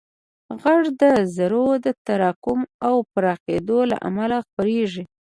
غږ د ذرّو د تراکم او پراخېدو له امله خپرېږي.